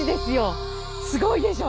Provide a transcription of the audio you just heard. すごいでしょ？